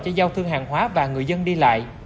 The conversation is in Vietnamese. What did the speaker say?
cho giao thương hàng hóa và người dân đi lại